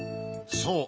そう。